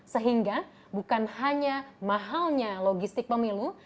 sehingga bukan hanya mahalnya logistik pemilu